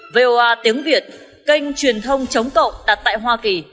vo tiếng việt kênh truyền thông chống cộng đặt tại hoa kỳ